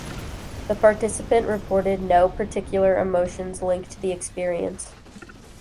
The participant reported no particular emotions linked to the experience.